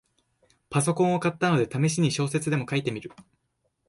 パソコンを買ったので、ためしに小説でも書いてみる